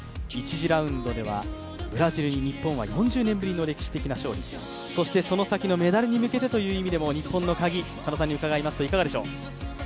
１次ラウンドではブラジルに日本は４０年ぶりの歴史的な勝利、そしてその先のメダルに向けての日本のカギ、佐野さんに伺いますといかがでしょう。